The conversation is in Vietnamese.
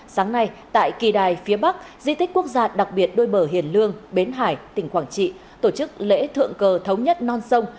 sáng nay tại kỳ đài phía bắc di tích quốc gia đặc biệt đôi bờ hiền lương bến hải tỉnh quảng trị tổ chức lễ thượng cờ thống nhất non sông